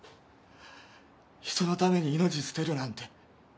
人のために命捨てるなんて。